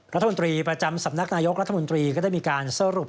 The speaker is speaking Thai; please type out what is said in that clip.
รัฐมนตรีประจำสำนักนายกรัฐมนตรีก็ได้มีการสรุป